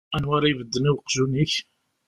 Anwa ara ibedden i uqjun-ik?